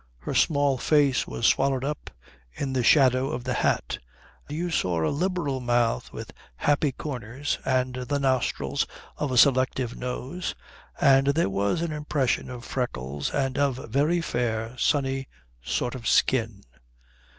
Her small face was swallowed up in the shadow of the hat; you saw a liberal mouth with happy corners, and the nostrils of a selective nose, and there was an impression of freckles, and of a very fair sunny sort of skin.